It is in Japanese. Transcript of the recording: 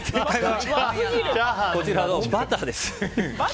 こちらのバターです。